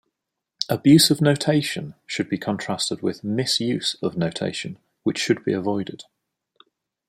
"Abuse of notation" should be contrasted with "misuse" of notation, which should be avoided.